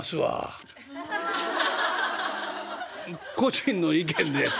「個人の意見です」